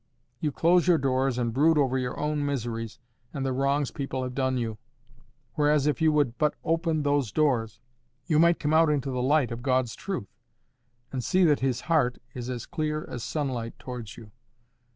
You close your doors and brood over your own miseries, and the wrongs people have done you; whereas, if you would but open those doors, you might come out into the light of God's truth, and see that His heart is as clear as sunlight towards you.